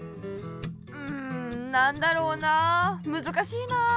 うんなんだろうなあむずかしいなあ。